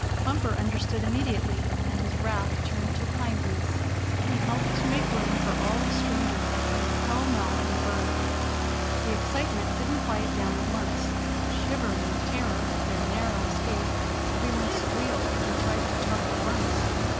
Bumper understood immediately, and his wrath turned to kindness. He helped to make room for all the strangers that came pell mell in the burrow. The excitement didn't quiet down at once. Shivering with terror at their narrow escape, every one squealed, and tried to talk at once.